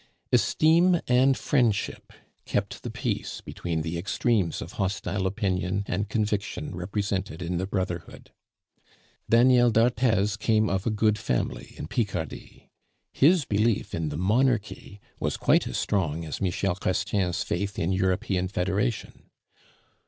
Esteem and friendship kept the peace between the extremes of hostile opinion and conviction represented in the brotherhood. Daniel d'Arthez came of a good family in Picardy. His belief in the Monarchy was quite as strong as Michel Chrestien's faith in European Federation.